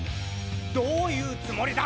どういうつもりだ！？